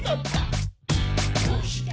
「どうして？